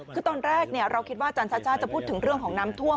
คือตอนแรกเราคิดว่าอาจารย์ชาจะพูดถึงเรื่องของน้ำท่วม